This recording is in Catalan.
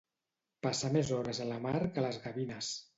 Passar més hores a la mar que les gavines.